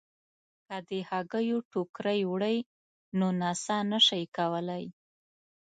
که د هګیو ټوکرۍ وړئ نو نڅا نه شئ کولای.